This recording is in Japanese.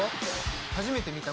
初めて見た？